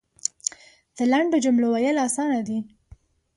د لنډو جملو ویل اسانه دی .